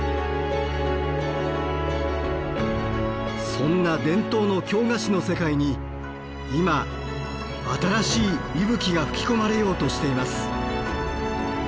そんな伝統の京菓子の世界に今新しい息吹が吹き込まれようとしています。